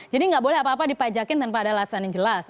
jadi nggak boleh apa apa dipajakin tanpa ada alasan yang jelas